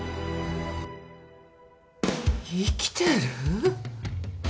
生きてる？